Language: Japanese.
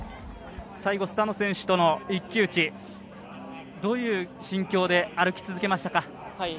最後、スタノ選手との一騎打ちどういう心境で歩き続けましたか？